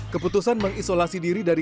keputusan mengisolasi diri dari